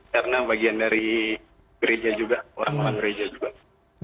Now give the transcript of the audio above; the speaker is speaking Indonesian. karena bagian dari gereja juga orang orang gereja juga